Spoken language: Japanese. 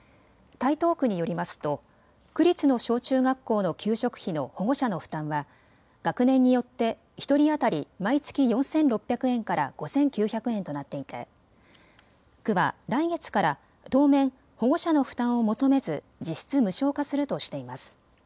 台東区によりますと区立の小中学校の給食費の保護者の負担は学年によって１人当たり毎月４６００円から５９００円となっていて区は来月から当面、保護者の負担を求めず実質無償化するとしています。